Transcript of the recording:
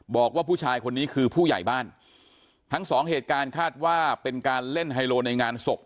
บอกว่าผู้ชายคนนี้คือผู้ใหญ่บ้านทั้งสองเหตุการณ์คาดว่าเป็นการเล่นไฮโลในงานศพ